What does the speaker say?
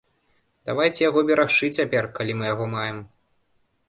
Давайце яго берагчы цяпер, калі мы яго маем.